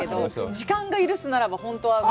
時間が許すならば本当は。